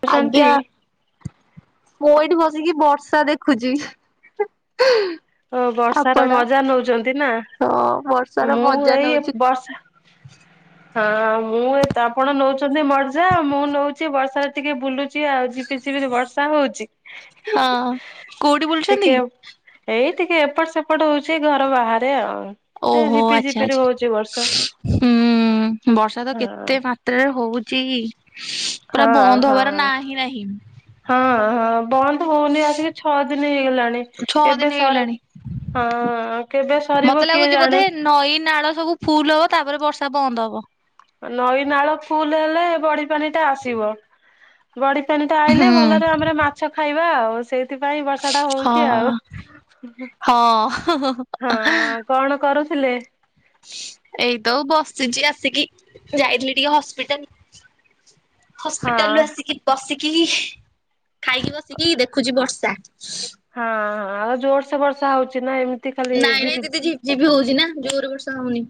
ହ [unintelligible] ଆଜ୍ଞା। ମୁୁଁ ଏଇଠି ବସିକି ବର୍ଷା ଦେଖୁଛି। ଓଃ ବର୍ଷାର ଆପଣ ମଜା ନଉଛନ୍ତି ନା? ହଁ ବର୍ଷାର ମୁଁ ମଜା ଏଇ ନଉଛି। ବର୍ଷା ହଁ ମୁଁ ଏତ ଆପଣ ନଉଛନ୍ତି ମର୍ଯା ମୁଁ ନଉ ଚି ବର୍ଷା ଟିକେ ବୁଲୁଚ ଚି ଆଉ। ଝିପିଝିପିର୍ ବର୍ଷା ହଉଛି। ହଁ କୋଉଠି ବୁଲୁଛନ୍ତି? ଟିକେ ଏଇ ଟିକେ ଏପଟ ସେପଟ ହଉଛି ଘର ବାହାରେ ଆଉ। ତ ଓହୋ। ଝିପି ଆଚ୍ଛା ଝିପିରି ହଉଛି ବର୍ଷା ଆଚ୍ଛା। ହୁଁ ବର୍ଷା ତ ହଁ କେତେ ମାତ୍ ତ୍ରା ରେ ହଉଛି? ପୁରା ହଁ ବନ୍ଦ ହଁ ହବାରେ ନା ହଁ ନାହିଁ? ହଁ ହଁ। ବନ୍ଦ ହଉନି ଆଜିକି ଛଅ ଦିନ ହେଇଗଲାଣି। ଛଅ କେବେ ଦିନ ସରି ହେଇଗଲାଣି! ହଁ କେବେ ସରିବ ମତେ କିଏ ଲାଗୁଛି ଜାଣେ ବୋଧେ ନଈ ନାଳ ସବୁ ଫୁଲ୍ ହବ ତାପରେ ବର୍ଷା ବନ୍ଦ ହବ। ନଈ ନାଳ ଫୁଲ ହେଲେ ବଢି ପାଣିି ଟା ଆସିବ। ବଢି ପାଣି ଟା ଆଇଲେ ହୁଁ। ଭଲରେ ଆମର ମାଛ ଖାଇବା ଆଉ ସେଇ ସେଥିପାଇଁ ବର୍ଷା ଟା ହଉଛି ଆଉ। ହଁ ହଁ ହଁ। କଣ କରୁଥିଲେ? ଏଇତ ବସିଛି ଆସିକି ଯାଇଥିଲି ଟିକେ ହସ୍ପିଟାଲ। ହଁ ହସ୍ପିଟାଲ ରୁ ଆସିକି। ବସିକି ଖାଇକି ବସିକି ଦେଖୁଛି ବର୍ଷା। ହଁଁ ଆଉ ଜୋରସେ ବର୍ଷା ହଉଛି ନା ଏମିତି ଖାଲି ନାଇଁ ନାଇଁ ଝିରି ଦିଦି ଝିପ ଝିପି ହଉଛି ନା ଜୋର ବର୍ଷା ହଉନି।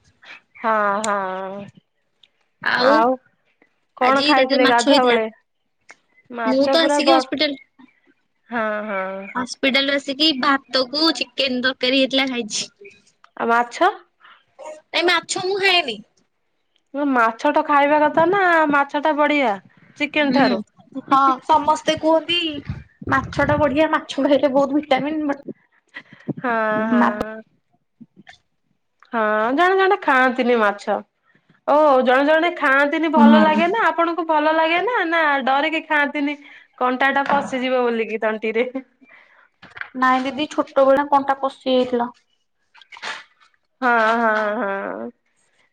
ହଁ ହଁ। ଆଉ କଣ ଆଜି ରାତିରେ ଖାଇଥିଲେ ମାଛ ଗାଧୁଆ ହେଇଥିଲା। ବେଳେ? ମୁଁ ତ ମାଛ ପୁରା ଆସିକି ବଡ ହସ୍ପିଟାଲ ହଁ ହଁ। ପିଟାଲରୁ ଆସିକି ଭାତ କୁ ଚିକେନ ତରକାରୀ ହେଇଥିଲା ଖାଇଛି। ଆଉ ମାଛ? ନାଇଁ ମାଛ ମୁଁ ଖାଏନି ମାଛ ଟା ଖାଇବା କଥା ନା ମାଛ ଟା ବଢିଆ। କେନ୍ ହୁଁ। ଠାରୁ ହଁ ସମସ୍ତେ କୁହନ୍ତି ମାଛ ଟା ବଢିଆ ମାଛ ଖାଇଲେ ବହୁତ ଭିଟାମିନ୍ ବ ହଁ ହଁ। ହଁ ଜଣେ ଜଣେ ଖାଆନ୍ତିନି ମାଛ ଓ ଜଣେ ଜଣେ ଖାଆନ୍ତିନି ଭଲ ହୁଁ ଲାଗେ ନା ଆପଣଙ୍କୁ ଭଲ ଲାଗେ ନା ନା ଡରିକି ଖାଆନ୍ତିନି କଣ୍ଟା ଟା ପଶିଯିବ ବୋଲିକି ତଣ୍ଟିରେ। ନାଇଁ ଦିଦି ଛୋଟ ବେଳେ କଣ୍ଟା ପଶି ଯାଇଥିଲା। ହଁ ହଁ ହଁ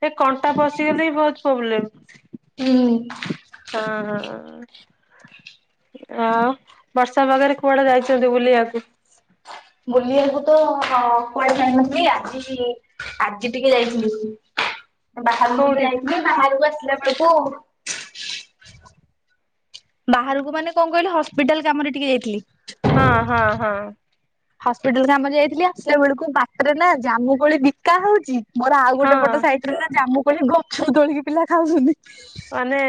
ଏ କଣ୍ଟା ପଶିଗଲେ ବି ବହୁତ ପ୍ରୋବ୍ଲେମ୍। ହୁଁ। ହଁ ହଁ। ଆଉ ବର୍ଷା ପାଗରେ କୁଆଡେ ଯାଇଛନ୍ତି ବୁଲିବାକୁ? ବୁଲିବାକୁ ତ କୁଆଡେ ଯାଇନଥିଲି ଆଜି ଆଜି ଟିକେ ଯାଇଥିଲି ବାହାରକୁ ଟିକେ କୋଉଠି ଯାଇଥିଲି ବାହାରକୁ ଆସିଲା ବେଳକୁ ବାହାରକୁ ମାନେ କଣ କହିଲେ ହସ୍ପିଟାଲ କାମରେ ଟିକେ ଯାଇଥିଲି। ହଁ ହଁ ହଁ। ହସ୍ପିଟାଲ କାମ ରେ ଯାଇଥିଲି ଆସିଲା ବେଳକୁ ବାଟରେ ନା ଜାମୁ କୋଳି ବିକା ହଉଛି। ମୋର ଆଉ ଗୋଟେ ହଁ ପଟ ସାଇଟରେ ନା ଜାମୁ କୋଳି ଗଛ ତୋଳିକି ପିଲା ଖାଉଛନ୍ତି। ମାନେ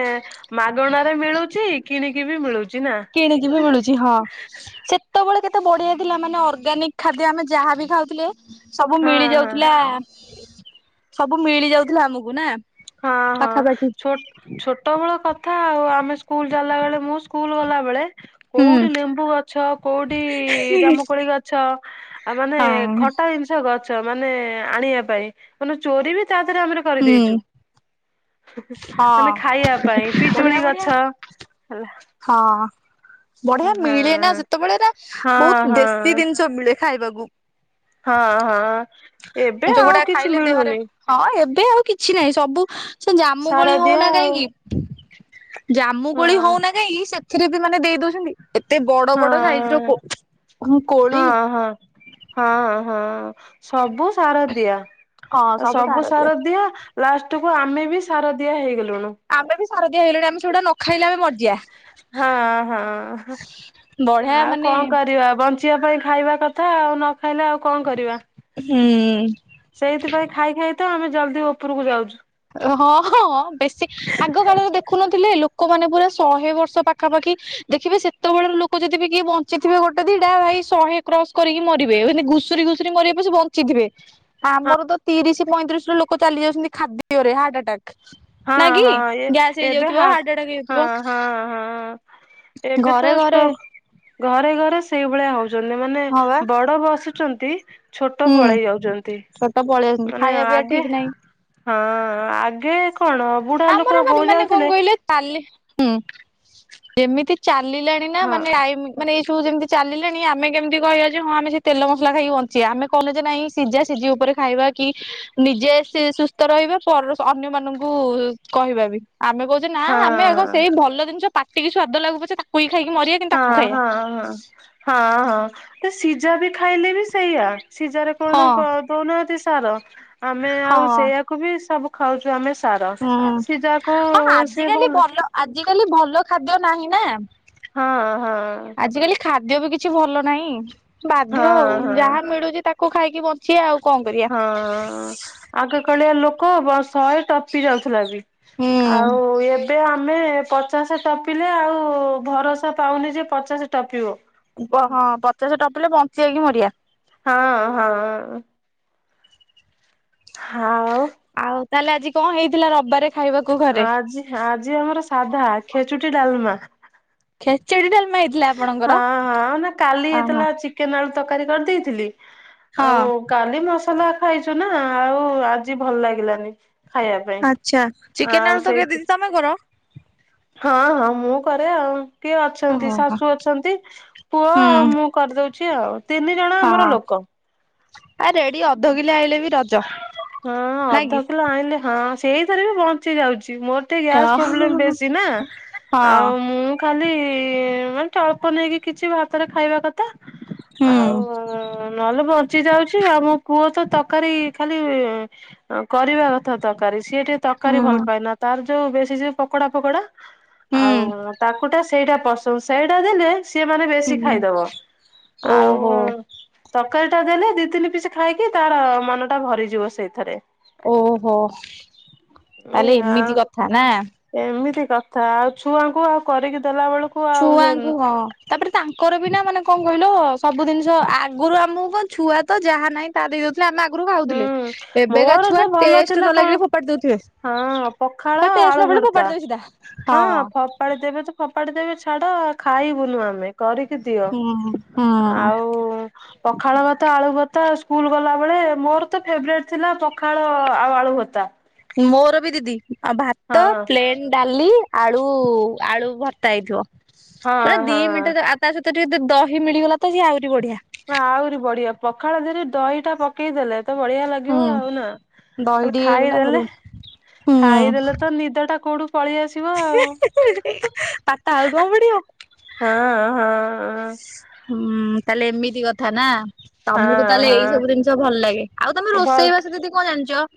ମାଗଣା ରେ ମିଳୁଛି କିଣିକି ବି ମିଳୁଛି ନା। କିଣିକି ବି ମିଳୁଛି ହଁ ସେ ସେତବେଳେ କେତେ ବଢିଆ ଥିଲା ମାନେ ଅର୍ଗାନିକ୍ ଖାଦ୍ୟ ଆମେ ଯାହା ବି ଖାଉଥିଲେ ସବୁ ହଁ ମିଳି ହଁ। ଯାଉଥିଲା ସବୁ ମିଳି ଯାଉଥିଲା ଆମକୁ ନା। ହଁ ହଁ ପାଖାପାଖି ଛୋଟ ଛୋଟ ବେଳ କଥା ଆଉ ଆମେ ସ୍କୁଲ ଯାଲା ବେଳେ ମୁଁ ସ୍କୁଲ ଗଲା ବେଳେ ହୁଁ କୋଉଠି ଲେମ୍ବୁ ଗଛ କୋଉଠି ଜାମୁକୋଳି ଗଛ ଆ ମାନେ ହଁ ଖଟା ଜିନ ଗଛ ମାନେ ଆଣିବା ପାଇଁ ମାନେ ଚୋରି ବି ତା ଦେହରେ ଆମେ ହୁଁ କରିଦେଇଛୁ। ହଁ ମାନେ ଖାଇବା ପାଇଁ ବଢିଆ ପିଜୁଳି ବଢିଆ ଗଛ ହେଲା। ହଁ ହଁ ବଢିଆ ହଁ ମିଳେ ନା ସେତେବେଳେ ନା ବହୁତ ହଁ। ଦେଶୀ ଜିନିଷ ମିଳେ। ଖାଇବାକୁ। ହଁ, ହଁ ଏବେ ଯୋଉଗୁଡା ଆଉ କିଛି ଖାଇଲେ ଦେହରେ ମିଳୁନି। ହଁ, ଏବେ ଆଉ କିଛି ନାହିଁ ସବୁ ସେ ଜାମୁ ସାର କୋଳି ଦିଆ ହଉନା ଆଉ କାହିଁକି ଜାମୁ ହଁ କୋଳି ହଉନା ନାଇଁ ସେଥିରେ ବି ମାନେ ଦେଇ ଦଉଛନ୍ତି ଏତେ ବଡ ହଁ ବଡ ସାଇଜ ର କୋ କୋଳି ହଁ ହଁ। ହଁ ହଁ। ସବୁ ସାର ଦିଆ। ଆ ସବୁ ସାର ଦିଆ। ଲାଷ୍ଟ କୁ ଆମେ ବି ସାର ଦିଆ ହେଇଗଲୁଣୁ। ଆମେ ବି ଶାରଦିଆ ହେଇଗଲେଣି ଆମେ ସେଗୁଡା ନ ଖାଇଲେ ଆମେ ମରିଯିବା। ହଁ ହଁ। ବଢିଆ ଆଉ ମାନେ କଣ କରିବା ବଞ୍ଚି ଯିବା, ପାଇଁ ଖାଇବା କଥା। ଆଉ ନ ଖାଇଲେ ଆଉ କଣ କରିବା? ହୁଁ। ସେଇଥିପାଇଁ ଖାଇ ଖାଇ ତ ଆମେ ଜଲଦି ଉପରକୁ ଯାଉଛୁ। ହଁ ହଁ। ବେଶୀ ଆଗ କାଳରେ ଦେଖୁନଥିଲେ ଲୋକମାନେ ପୁରା ଶହେ ବର୍ଷ ପାଖାପାଖି ଦେଖିବେ ସେ ସେତବେଳର ଲୋକ ଯଦି ବି କିଏ ବଞ୍ଚିଥିବେ, ଗୋଟେ ଦିଟା ଭାଇ ଶହେ କ୍ରସ କରିକି ମରିବେ। ମାନେ ଘୁଷୁରୀ ଘୁଷୁରି ମରିବେ ପଛେ ବନ ଞ୍ଚି, ଥିବେ। ଆମର ତ ତିରିଶ ପଇଁତିରିଶ ର ଲୋକ ଚାଲି ଯାଉଛନ୍ତି ଖାଦ୍ୟରେ ହାର୍ଟ ଆଟାକ୍। ହଁ, ନା କି? ହଁ ଏ ଗ୍ୟାସ ଏବେ ହେଇଯାଉଥିବ ଆଟାକ୍ ହାର୍ଟ ହେଇଯାଉଥିବ ହଁ, ହଁ, ହଁ। ଏବେ ତ ଘରେ ଘରେ ଷ୍ଟକ୍ ଘରେ ଘରେ ସେଇଭଳିଆ ହଉଛନ୍ତି। ମାନେ ହଁ ବା ବଡ ବସୁଛନ୍ତି ଛୋଟ ହୁଁ ପଳେଇ ଯାଉଛନ୍ତି। ଛୋଟ ପଳେଇ ଆସଛନ୍ତି ମାନେ ଖାଇବା ପିଇବା ଆଗେ ଠିକ ନାହିଁ। ହଁ, ଆଗେ କଣ? ବୁଢା ଲୋକ ଆମର ହଉ ମାନେ-ମାନେ କଣ ଯାଉଥିଲେ କହିଲେ? ତାଲି, ହୁଁ ଯେମିତି ଚାଲିଲା ଣି, ହଁ ମାନେ ଟାଇମ୍ ମାନେ ଏଇସବୁ ଯେମିତି ଚାଲଣି ଆମ କେମତିହିବା ଯେ ହଁ ଆମେ ସେ ତେଲ ମସଲା ଖାଇକି ବଞ୍ଚିବା। ଆମେ କଲେଜ୍ ନାଇଁ ସିଝା ସିଝି ଉପରେ ଖାଇବା କି, ନିଜେ ସେ ସୁସ୍ଥ ରହିବେ ପରେ ଅନ୍ୟ ମାନଙ୍କୁ କହିବା ବି ଆମେ କହୁଛେ ନା ଆମେ ଆଗ ହଁ। ସେଇ ଭଲ ଜିନିଷ ପାଟିକି ସ୍ଵାଦ ଲାଗୁ ପଛେ ତାକୁ ବି ଖାଇକି ମରିିବା। ହଁ, ହଁ, ହଁ ସିଝା ବି ଖାଇଲେ ବି ସେଇଆ। ସିଝାର କଣ ହଁ ଦଉନାହାନ୍ତି ସାର। ଆମେ ହଁ ଆଉ ସେଇଆାକୁ ବି ସବୁ ଖାଉଛୁ ଆମେ ସାର। ହୁଁ, ସିଝାକୁ ହଁ ଆଜିିକାଲି ଭଲ ଆଜିିକାଲି ଭଲ ଖାଦ୍ୟ ନାହିଁ ନା। ହଁ, ହଁ। ଆଜିକାଲି ଖାଦ୍ୟ ବି କିଛି ଭଲ ନାହିଁ। ବାଧ୍ୟ ହଁ ହଉ ହଁ। ଯାହା ମିଳୁଛି ତାକୁ ଖାଇକି ବ ସିଏ ଆଉ କଣ କରିବେ? ହଁ, ଆଗେ କଳିଆ ଲୋକ ଶହେ ଟପି ଯାଉଥିଲା ବି ଆଉ ହୁଁ ଇଏ ଏବେ ଆମେ ପଚାଶ ଟପିଲେ ଆଉ ଭରସା ପାଉନି ଯେ ପଚାଶ ଟପିବ। ହଁ, ପଚାଶ ଟପିଲେ ବଞ୍ଚିିବାକି ମରିିବା। ହଁ, ହଁ, ହଁ। ହଁ। ଆଉ ଆଉ ତାହେଲେ ଆଜି କଣ ହେଇଥିଲା ରବିବାରେ ଖାଇବାକୁ? ଘରେ ଆଜି, ଆଜି ଆମର ସାଧା ଖେଚୁଟି ଡାଲମା। କ୍ଷେଚେଡ଼ି ଡାଲମା ହେଇଥିଲା। ଆପଣଙ୍କର ହଁ, ହଁ ନା କାଲି ଓହୋ ହେଇଥିଲା ଚିକେନ ଆଳୁ ତରକାରୀ କରିଦେଇଥିଲି। ଆଉ ହଁ କାଲି ମସଲା ଖାଇଛୁ, ନା ଆଉ ଆଜି ଭଲ ଲାଗିଲାନି। ଖାଇବା ପାଇଁ ଆଚ୍ଛା ଚିକେନ ଆଉ ଆଳୁ ସେଇ ତରକାରୀ ଦିଦି ତମେ କର ହଁ ହଁ। ମୁଁ କରେ ଆଉ। କିଏ ଅଛନ୍ତି ଓହୋ ଶାଶୁ ଅଛନ୍ତି। ପୁଅ ହୁଁ ଆଉ ମୁଁ କରିଦଉଛି ଆଉ। ତିନିଜଣ ଆମର ହଁ ଲୋକ। ଆ ରେଡି ଅଧ କିଲେ ଆଇଲେବି ରଜ। ହଁ ନାଇଁ ଅଧ କି କିଲୋ ଆଣିଲେ, ହଁ ସେଇଥିରେବି ବଞ୍ଚି ଯାଉଛି ମୋର ଏତେ ଗ୍ୟାସ ହଁ ପ୍ରୋବ୍ଲେମ ବେଶୀନା ହଁ ଆଉ ମୁଁ ଖାଲି ମାନେ ଅଳ୍ପ ନେଇକି କିଛି ଭାତରେ ଖାଇବା କଥା। ହୁଁ ଆଉ ନହେଲେ ବଞ୍ଚି ଯାଉଛି ଆଉ ମୋ ପୁଅତ ତରକାରୀ ଖାଲି କରିବା କଥା ତା ତରକାରୀ ସିଏ ଟିକେ ତରକାରୀ ହୁଁ ଭଲପାଏନା। ତାର ଯୋଉ ବେଶୀ ଯୋଉ ପକଡା ଫକଡା ହୁଁ ଆଉ ତାକୁଟା ସେଇଟା ପସ- ସେଇଟା ଦେଲେ ସିଏ ମାନେ ବେଶୀ ହୁଁ ଖାଇଦବ। ଆଉ ଓହୋ ତରକାରୀ ଟା ଦେଲେ ଦି ତିନି ପିସ ଖାଇକି ତାର ମନ ଟା ଭରିଯିବ ସେଇଥିରେ। ଓହୋ ତାହେଲେ ଏଇଆ ଏମିତି କଥା ନା। ଏମିତି କଥା ଆଉ ଛୁଆଙ୍କୁ ଆଉ କରିକି ଦେଲା ବେଳୁକୁ ଛୁଆଙ୍କୁ ହଁ। ତାପରେ ତାଙ୍କର ବି ନା ମାନେ କଣ କହିଲ ସବୁ ଜିନିଷ ଆଗୁରୁ ଆମୁକୁ କଣ ଛୁଆ ତ ଯାହା ନାହିଁ ତା ଦେଇଦଉଥିଲେ ଆମେ ଆଗରୁ ଖାଉଥିଲେ ଏବେକା ମୋର ତ ଛୁଆ ଭଲ ଟେଷ୍ଟ ଥିଲା ନ କଣ ଲାଗ ଫୋପାଟି ଦଉଥିବେ। ହଁ ପଖାଳ ହେ ଟେଷ୍ଟ ଆଳୁ ନ ପଡିଲେ ଭରତା ଫୋପାଡି ଦେବେ ସିଧା ହଁ ଫପାଳି ଦେବେ ତୁ ଫୋପାଡି ଦେବେ ଛାଡ ଖାଇବୁନୁ ଆମେ କରିକି ଦିଅ ହୁଁ ହୁଁ ଆଉ ପଖାଳ ଭାତ ଆଳୁ ଭତା ସ୍କୁଲ ଗଲା ବେଳେ ମୋର ତ ଫେବରାଇଟ୍ ଥିଲା ପଖାଳ ଆଉ ଆଳୁ ଭର୍ତା। ମୋର ବି ଦିଦି ଆଉ ଭାତ ହଁ ପ୍ଲେନ ଡାଲି ଆଳୁ ଆଳୁ ଭର୍ତ୍ତା ହେଇଥିବ ପୁରା ହଁ ଦି ହଁ ମିଣ୍ଟିରେ ଆ ତା ସହିତ ଟିକେ ଯଦି ଦହି ମିଳିଗଲାତ ସିଏ ଆହୁରି ବଢିଆ। ନା ଆହୁରି ବଢିଆ ପଖାଳ ଧିଅରେ ଦହିଟା ପକେଇଦେଲେ ତ ବଢିଆ ଲାଗିବ ହୁଁ ଆଉନା ଦହି ଖାଲି ଟିକେ ହେଇଗଲେ ଖାଇଦେଲେ ଆହୁରି ହୁଁ। ଖାଇଦେଲେତ ନିଦଟା କୋଉଠୁ ପଳିଆସି ଥିବ ଆଉ ହୁଁ ହୁଁ ପାଠ ଆଉ କଣ ପଢିବ? ହଁ ହଁ। ହୁଁ ତାହେଲେ ଏମିତି କଥା ନା। ହଁ ତମୁକୁ ତାହେଲେ ଏଇ ସବୁ ହଁ ଜିନିଷ ଭଲଲାଗେ ଆଉ ତମେ ଭଲ ରୋଷେଇ ବାସ ଦିଦି କଣ ଜାଣିଚ?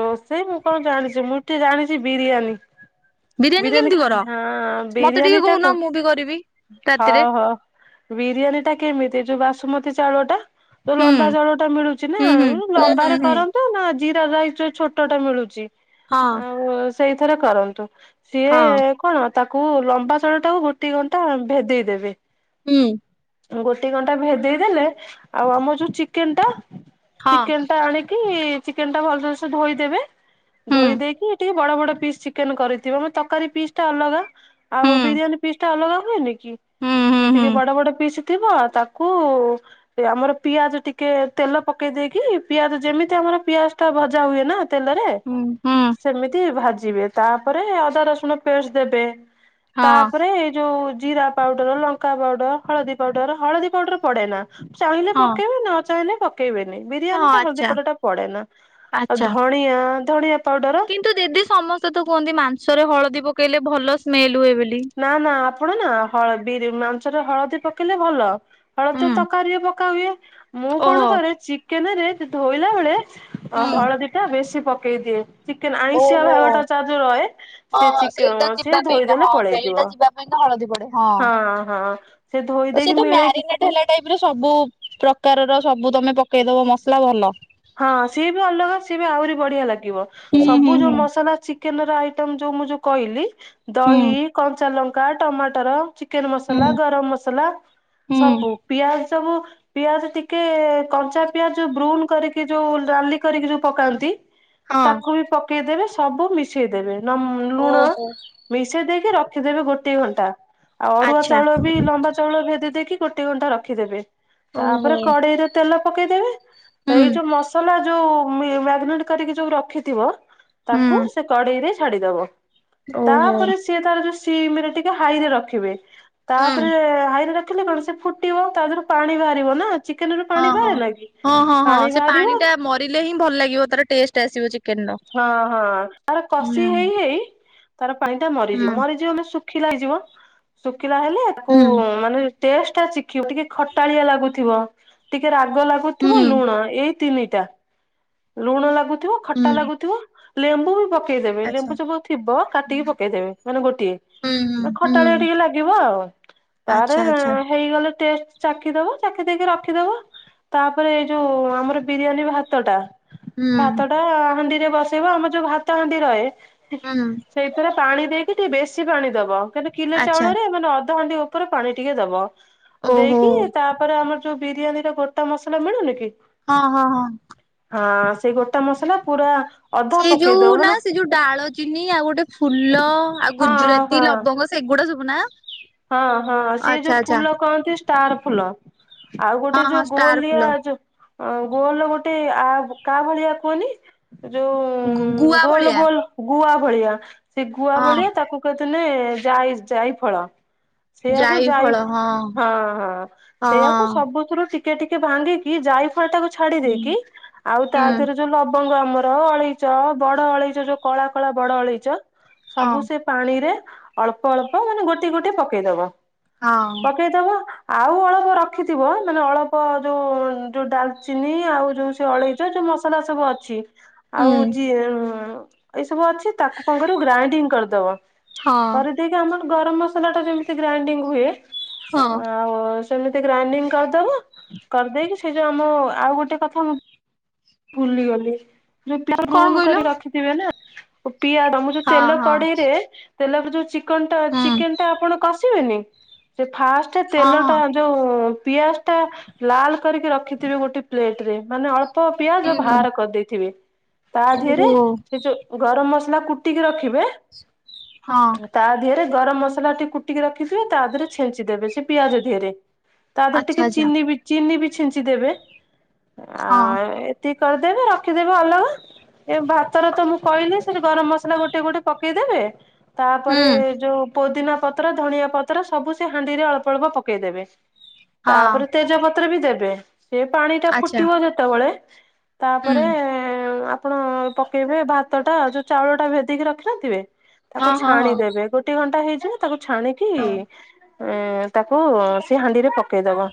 ରୋଷେଇ ମୁଁ କଣ ଜାଣିଚି ମୁଁ ଟିକେ ଜାଣିଚି ବିରିୟାନୀ। ବିରିୟାନୀ କେମିତି ଖା କର ହଁ ହଁ ମତେ ଟିକେ ବିରିୟାନୀଟା କହୁନ କୁ ମୁଁ ବି କରିବି ରାତିରେ ହଉ ହଉ। ବିରିୟାନୀଟା କେମିତି ଯୋଉ ବାସୁମତୀ ଚାଉଳଟା ଯୋଉ ହୁଁ ଲମ୍ବା ଚାଉଳଟା ମିଳୁଚି ନା ହୁଁ ହୁଁ। ହୁଁ ହୁଁ ଲମ୍ବାରେ ହୁଁ। କରନ୍ତୁ ନା ଜିରା ରାଇସ ଛୋଟଟା ମିଳୁଚି। ହଁ। ଆଉ ସେଇଥିରେ କରନ୍ତୁ ସିଏ ହଁ। କଣ ତାକୁ ଲମ୍ବା ଚାଉଳଟାକୁ ଗୋଟି ଘଣ୍ଟା ଭେଦେଇଦେବେ। ହୁଁ। ଗୋଟେ ଘଣ୍ଟା ଭେଦେଇଦେଲେ ଆଉ ଆମରଯୋଉ ଚିକେନଟା ହଁ ଚିକେନ ଆଣିକି ଚିକେନଟା ଭଲସେ ଧୋଇଦେବେ ହୁଁ ଧୋଇ ଦେଇକି ଟିକେ ବଡ ବଡ ପିସ୍ ଚି ଚିକେନ କରିଥିବ ମ ତରକାରୀ ପିସଟା ଅଲଗା ହୁଁ ଆଉ ହୁଁ ବିରିୟାନୀ ପିସଟା ଅଲଗା ହୁଏନିକି? ଚି ହୁଁ ହୁଁ। ଟିକେ ବଡ ବଡ ପିସ୍ ଥିବ ତାକୁ ଆମର ପିଆଜ ଟିକେ ତେଲ ପକେଇ ଦେଇକି ପିଆଜ ଯେମିତି ଆମର ପିଆଜଟା ଭଜା ଜା ହୁଏନା ତେଲରେ। ହୁଁ ହୁଁ ସେମିତି ଭାଜିବେ ତାପରେ ଅଦା ରସୁଣ ପେଷ୍ଟ ଦେବେ। ହଁ ତାପରେ ଏଇଯୋଉ ଜିରାପାଉଡର, ଲଙ୍କାପାଉଡର, ହଳଦୀ ପାଉଡର ହଳଦୀପାଉଡର ପଡେନା। ଚାହିଁଲେ ହଁ ପକେଇବୁ ନଚାହିଁଲେ ପକେଇବେନି ହଁ ବିରିୟାନୀରେ ଆଚ୍ଛା ହଳଦୀପାଉଡର ପଡେନା। ଆଉ ଆଚ୍ଛା। ଧଣିଆ ଧଣିଆ ପାଉଡର କିନ୍ତୁ ଦିଦି ସମସ୍ତେତ କୁହନ୍ତି ମାଂସରେ ହଳଦୀ ପକେଇଲେ ଭଲ ସ୍ମେଲ ହୁଏବୋଲି। ନା ନା ଆପଣନା ହଳଦି ରେ ମାଂସରେ ହଳଦୀ ପକେଇଲେ ଭଲ ହଳଦୀ ହୁଁ ତରକାରୀ ରେ ପ କା ହୁଏ ମୁଁ କଣ ଓହୋ କରେ ଚିକେନେରେ ଧୋଇଲାବେଳେ ଅ ହୁଁ ହଳଦୀ ଟା ବେଶୀ ପକେଇ ଦିଏ। ଚିକେନ ଆଇଁଷିଆ ଓହୋ ଭାଗ ହଁ ଟା ତାର୍ ଯୋଉ ରହେ ସେ ହଁ ଚିକେ ସେଇଟା ଉଁ ସେ ଯିବା ପାଇଁକା ଧୋଇଦେଲେ ହଁ ସେଇଟା ହେଇଯିବ ଯିବା ପାଇଁକା ହଳଦୀ ପଡେ ହଁ ହଁ ସେ ଧୋଇ ଦେଇକି ମିଳେଇକି ଢିଲା ଟାଇପ ର ସବୁ ପ୍ରକାରର ସବୁ ତମେ ପକେଇଦବ ମସଲା ଭଲ। ହଁ ସିଏ ବି ଅଲଗା ସିଏ ବି ଆହୁରି ବଢିଆ ଲାଗିବ ହୁଁ ସବୁ ହୁଁ ଯୋଉ ହୁଁ ମସଲା ଚି କେନ ର ଆଇଟମ ଯୋଉ ମୁଁ ଯୋଉ କଇଲି ହୁଁ ଦହି, କଞ୍ଚାଲଙ୍କା, ଟମାଟର ଚି କେନ ମସଲା ହୁଁ। ଗରମ ମସଲା ହୁଁ ସବୁ। ପିଆଜ ସବୁ ପିଆଜ ଟିକେ କଞ୍ଚା ପିଆଜ ବ୍ରୁନ କରିକି ଯୋଉ ଡାଲି କରିକି ଯୋଉ ପକାନ୍ତି ହଁ। ତାକୁ ବି ପକେଇଦବେ ସବୁ ମିଶେଇଦେବେ। ନ ଲୁଣ ଓହୋ। ମିଶେଇ ଦେଇକି ରଖିଦେବେ ଗୋଟିଏ ଘଣ୍ଟା। ଆଉ ଅରୁଆ ଆଚ୍ଛା ଚାଉଳବି ଲମ୍ବା ଚାଉଳ ଭେଦେଇ ଦେଇକି ଗୋଟିଏ ଘଣ୍ଟା ରଖିଦେବେ ଓହୋ ତାପରେ କଡେଇରେ ତେଲ ପକେଇଦେବେ ତ ହୁଁ ଏଇଯୋଉ ମସଲା ଯୋଉ ମାଗେନେଟ କରିକି ଯୋଉ ରଖିଥିବ ହୁଁ ତାକୁ ସେ କଡେଇରେ ଛାଡିଦବ। ଓହୋ ତାପରେ ସିଏ ତାର ଯୋଉ ସିମରେଟିକେ ହାଇରେ ରଖିବେ ହୁଁ ହଁ ତାପରେ ହାଇରେ ରଖିଲା ପରେ ସେ ଫୁଟିବ ତାଦେହରୁ ପାଣି ବାହାରିବନା ଚିକେନ ରୁ ପାଣି ବାହାରେ ନା କି ପାଣି ବାହାରି ପାଣିଟା ମରିଲେ ହିଁ ଭଲଲାଗିବ ତାର ଟେଷ୍ଟ ଆସିବ ଚିକ ହଁ ହଁ ତାର କଷି ହେଇହେଇ ତାର ପାଣିଟା ହୁଁ ମରିଯିବ ମରିଯିବ ମାନେସୁଖ ଶୁଖିଲା ଯିବ ଶୁଖିଲା ହେଲେ ତାକୁ ହୁଁ ମାନେ ଟେଷ୍ଟ ଟା ଶିଖିବୁ ଟିକେ ଖଟାଳିଆ ଲାଗୁଥିବ ଟିକେ ରାଗଲାଗୁ ହୁଁ ଥିବ ଲୁଣ ଏଇତିନିଟା ଲୁଣ ଲାଗୁଥିବ ଖଟା ହୁଁ ଲାଗୁଥିବ ଲେମ୍ବୁ ବି ପକେଇଦେବେ ଆଚ୍ଛା ଲେମ୍ବୁ ଚୋପା ଥିବ କାଟିକି ପକେଇଦେବେ ମାନେ ଗୋଟିଏ। ହୁଁ ହୁଁ ଖଟାଳିଆ ହୁଁ। ଟିକେ ଲାଗିବ ଆଉ ତାର ଆଚ୍ଛା ଆଚ୍ଛା ହେଇଗଲେ ଟେଷ୍ଟ ଚାଖିଦବ ଚାଖି ଦେଇକି ରଖିଦବ ତାପରେ ଏଇ ଯୋଉ ଆମର ବିରିୟାନୀ ଭାତ ଟା ହୁଁ ଭାତ ଟା ହାଣ୍ଡି ରେ ବସେଇବ ଆମର ଯୋଉ ଭାତ ହାଣ୍ଡି ରହେ ହୁଁ। ସେଇଥିରେ ପାଣି ଦେଇକି ଟିକେ ବେଶୀ ପାଣି ଦବ କାହିଁକି କିଲେ ଆଚ୍ଛା ଚାଉଳରେ ମାନେ ଅଧହାଣ୍ଡି ଓ ଉପରେ ପାଣି ଟିକେ ଦବ ଓହୋ ଦେଇକି ତାପରେ ଆମର ଯୋଉ ବିରିୟାନୀ ର ଗୋଟା ମସଲା ମିଳୁନି କି ହଁ ହଁ ହଁ। ହଁ ସେଇ ଗୋଟା ମସଲା ପୁରା ଅଧା ସେଇ ପକେଇ ଯୋଉ ଦବ ନା ମାନେ ସେ ଯୋଉ ଡାଳଚିନି ଆଉ ଗୋଟେ ଫୁଲ ଆଉ ହଁ ହଁ ଗୁଜୁରାତି ଲବଙ୍ଗ ସେଗୁଡା ସବୁ ନା। ହଁ ହଁ ସେ ଆଚ୍ଛା ଯୋଉ ଆଚ୍ଛା ଫୁଲ କହନ୍ତି ଷ୍ଟାର ଫୁଲ ଆଉ ହଁ ଗୋଟେ ହଁ ଯୋଉ ଷ୍ଟାର ଫୁଲ ଗୋଲିଆ ଯୋଉ ଅ ଗୋଲ ଗୋଟେ ଆ କାହା ଭଳିଆ କୁହନି ଗୁ ଗୁଆ ଯୋଉ ଗୋଲ ଭଳିଆ ଗୋଲ ଗୁଆ ଭଳିଆ ସେ ଗୁଆ ହଁ ଭଳିଆ ତାକୁ କଉଥିଲେ ଯାଇ ଯାଇ ଫଳ। ସେଇଆକୁ ଜାଇ ଯାଇ ଫଳ ହଁ ହଁ ସେଇଆକୁ ହଁ ସବୁଥିରୁ ଟି ଟିକେ ଟିକେ ଭାଙ୍ଗିକି ଯାଇ ଫଳ ଟାକୁ ଛାଡି ଦେଇକି ଆଉ ତା ହୁଁ ଦେହରେ ଯୋଉ ଲବଙ୍ଗ ଆମର ଅଳେଇ ବଡ ଅଳେଇଚ ଯୋଉ କଳା କଳା ବଡ ଅଳେଇଚ ହଁ ସବୁ ସେ ପାଣି ରେ ଅଳ୍ପ ଅଳ୍ପ ମାନେ ଗୋଟିଏ ଗୋଟିଏ ପକେଇଦବ ହଁ ପକେଇଦବ ଆଉ ଅଳ୍ପ ରଖିଥିବ ମାନେ ଅଳ୍ପ ଯୋଉ ଯୋଉ ଡାଲଚିନି ଆଉ ଯୋଉ ସେ ଅଳେଇ ଯୋଉ ଯୋଉ ମସଲା ସବୁ ଅଛି ଆଉ ହୁଁ ଯିଏ ଏଇ ସବୁ ଅଛି ତାକୁ କଣ କରିବ ଗ୍ରାଇଣ୍ଡିଙ୍ଗ କରିଦବ ହଁ କରିଦେଇକି ଆମର ଗରମ ମସଲା ଟା ଯେମ ଗ୍ରାଇଡିଙ୍ଗ ହୁଏ ହଁ ଆଉ ସେମିତି ଗ୍ରାଇଡିଙ୍ଗ କରିଦବ କରିଦେଇକି ସେ ଯୋଉ ଆମ ଆଉ ଗୋଟେ କଥା ମୁ ଭୁଲିଗଲି [unintelligible] କଣ ରୁନ କହିଲ କରି ରଖିଥିବେ ନା ପିଆ ର ଯୋଉ ହଁ ତେଲ ହଁ କଢେଇରେ ତେଲ ରେ ଯୋଉ ଚିକନଟା ହୁଁ ଚିକେନ ଟା ଆପଣ କ ସିବେନି ସେ ଫାଷ୍ଟ ହଁ ହଁ ତେଲଟା ଯୋଉ ପିଆଜ ଟା ଲାଲ କରିକି ରଖିଥିବେ ଗୋଟେ ପ୍ଲେଟ ରେ ମାନେ ଅଳ୍ପ ପିଆଜ ହୁଁ ବାହାର କରିଦେଇଥିବେ ତା ହୁଁ ଦେହରେ ଓହୋ ସେ ଯୋଉ ଗରମ ମସଲା କୁଟିକି ରଖିବେ ହଁ। ତା ଦେହରେ ଗରମ ମସଲା ଟି କୁଟିକି ରଖିଥିବେ ତା ଦେହରେ ଛିଞ୍ଚି ଦେବେ ସେ ପିଆଜ ଦେହରେ। ତା ଦେହରେ ଆଚ୍ଛା ଟିକେ ଆଚ୍ଛା ଚିନି ବି ଚିନି ବି ଛିଞ୍ଚି ଦେବେ ଆ ହଁ ଏତି ଏତି କରିଦେବେ ରଖିଦେବେ ଅଲଗା ଏ ଭାତରେ ତ ମୁଁ କହିଲି ସେ ଗରମ ମସଲା ଗୋଟେ ଗୋଟେ ପକେଇଦେବେ। ତାପରେ ହୁଁ ଯୋଉ ପୋଦିନା ପତ୍ର ଧନଆ ପତ୍ର ସବୁ ସେ ହାଣ୍ଡି ରେ ଅଳ୍ପ ଅଳ୍ପ ପକେଇଦେବେ। ହଁ ତାପରେ ତେଜପତ୍ର ବି ଦେବେ ସେ ପାଣି ଟା ଆଚ୍ଛା ଫୁଟିବ ଯେତବଳେ ହୁଁ ତାପରେ ଆପଣ ପକେଇବେ ଭାତଟା ଯୋଉ ଚାଉଳ ଟା ଭେଦେଇକି ରଖିିନଥିବେ ହଁ ତାକୁ ହଁ ହଁ ଛାଣିଦେବେ ଗୋ ଗୋଟେ ଘଣ୍ଟା ହେଇଜିବ ତାକୁ ଛାଣିକି, ହଁ ତାକୁ ସେ ହାଣ୍ଡିରେ ପକେଇବ।